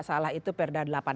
jadi kalau saya ngelihat